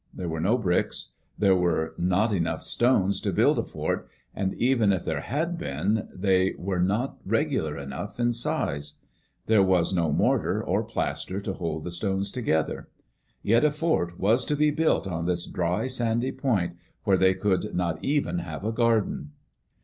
There were no bricks; there were not enough stones to build a fort, and even if there had been, they were not regular enough in size. There was no mortar or plaster to hold the stones together. Yet a fort was to be built Digitized by CjOOQ IC DANGER AT FORT WALLA WALLA on this dry, sandy point, where they could not even have a garden.